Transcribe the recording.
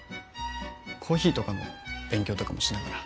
コーヒーとかの勉強とかもしながら。